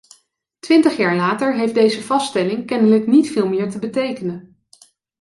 Twintig jaar later heeft deze vaststelling kennelijk niet veel meer te betekenen.